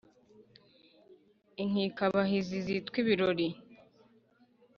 inkikabahizi zitwa ibirori